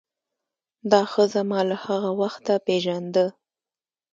دا ښځه ما له هغه وخته پیژانده.